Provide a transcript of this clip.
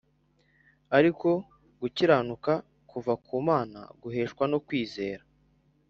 ari ko gukiranuka kuva ku Mana guheshwa no kwizera